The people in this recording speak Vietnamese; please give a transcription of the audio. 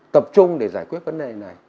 tập trung để giải quyết vấn đề này